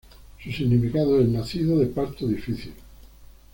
Su significado es "nacido de parto difícil".